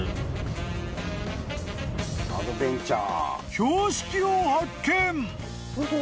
［標識を発見］